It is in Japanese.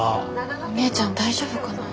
お姉ちゃん大丈夫かな。